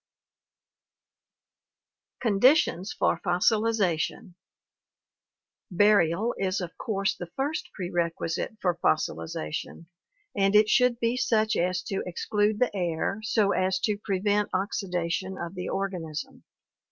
Conditions for Fossilization Burial is of course the first prerequisite for fossilization and it should be such as to exclude the air so as to prevent oxidation of the organism.